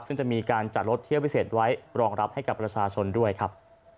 ซึ่งจะมีการจัดรถเที่ยวพิเศษไว้รองรับให้กับประชาชนด้วยครับ